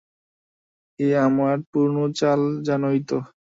এই আমার পুরানো চাল, জানই তো।